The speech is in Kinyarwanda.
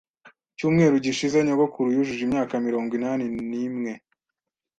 Icyumweru gishize nyogokuru yujuje imyaka mirongo inani nimwe.